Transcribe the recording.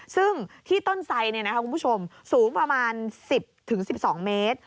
ซึ่งที่ต้นไซด์เนี่ยนะครับคุณผู้ชมสูงประมาณ๑๐๑๒เมตร